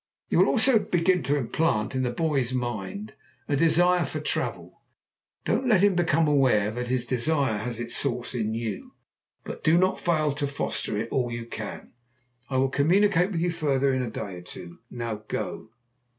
You will also begin to implant in the boy's mind a desire for travel. Don't let him become aware that his desire has its source in you but do not fail to foster it all you can. I will communicate with you further in a day or two. Now go."